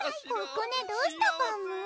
ここねどうしたパム？